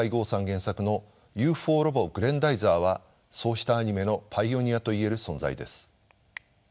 原作の「ＵＦＯロボグレンダイザー」はそうしたアニメのパイオニアと言える存在です。